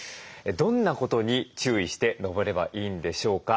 どんなことに注意して登ればいいんでしょうか？